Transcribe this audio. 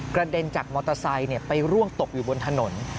เด็นจากมอเตอร์ไซค์ไปร่วงตกอยู่บนถนน